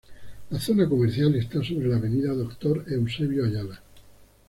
La zona comercial está sobre la avenida Doctor Eusebio Ayala.